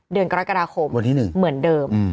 เดือนกรกฎาคมเหมือนเดิมอืม